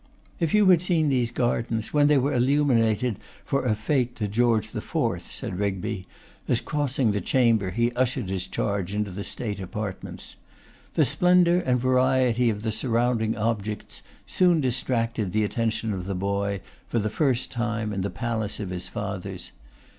'If you had seen these gardens when they were illuminated for a fête to George IV.,' said Rigby, as crossing the chamber he ushered his charge into the state apartments. The splendour and variety of the surrounding objects soon distracted the attention of the boy, for the first time in the palace of his fathers.